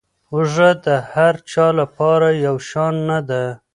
هوږه د هر چا لپاره یو شان نه ده.